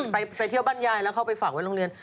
ไปเที่ยวบ้านยายแล้วเข้าไปฝากไว้โรงเรียน